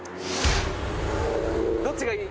どっちがいい？